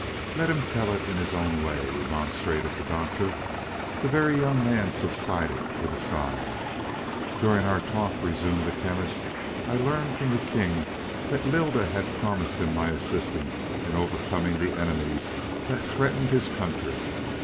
"Let him tell it his own way," remonstrated the Doctor. The Very Young Man subsided with a sigh. "During our talk," resumed the Chemist, "I learned from the king that Lylda had promised him my assistance in overcoming the enemies that threatened his country.